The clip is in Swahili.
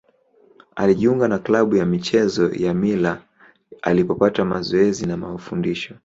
Alijiunga na klabu ya michezo ya Mila alipopata mazoezi na mafundisho.